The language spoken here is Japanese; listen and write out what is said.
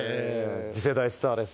次世代スターです